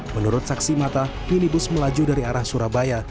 menurut saksi mata minibus melaju dari arah surabaya